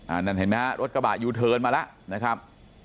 อ่านั้นเห็นมั้ยรถกระบะอยู่เทิร์นมาแล้วนะครับ